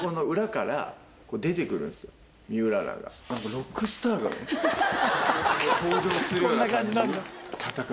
ロックスターがね登場するような感じ。